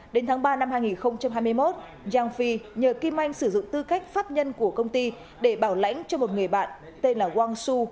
đến tháng ba năm hai nghìn hai mươi một ji jiang phil nhờ kim anh sử dụng tư cách pháp nhân của công ty để bảo lãnh cho một người bạn tên là wang su